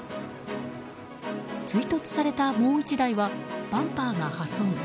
追突された、もう１台はバンパーが破損。